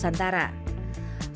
seorang peneliti dari indonesia